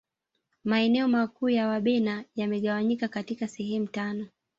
maeneo makuu ya wabena yamegawanyika katika sehemu tano